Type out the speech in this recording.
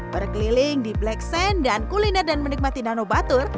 berkeliling di black sand dan kuliner dan menikmati nanobatur